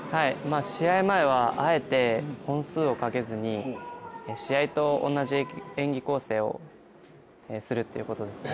試合前はあえて本数をかけずに、試合と同じ演技構成をするということですね。